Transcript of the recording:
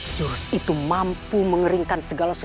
jurus itu membutuhkan jenis roh yang mendukung hidupmu